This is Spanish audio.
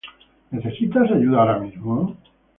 ¿Necesitas ayuda ahora mismo?